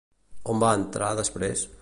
On va entrar després?